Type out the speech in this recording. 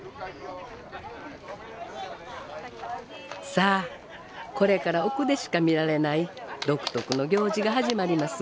さあこれから奥でしか見られない独特の行事が始まります。